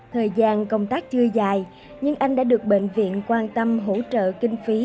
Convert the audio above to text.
thời gian công tác chưa dài nhưng anh đã được bệnh viện quan tâm hỗ trợ kinh phí